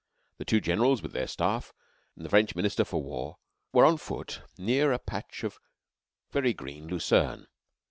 The two Generals, with their Staff, and the French Minister for War, were on foot near a patch of very green lucerne.